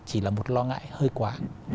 chỉ là một lo ngại hơi quá